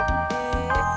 tular di negeri